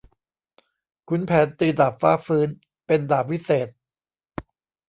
ขุนแผนตีดาบฟ้าฟื้น เป็นดาบวิเศษ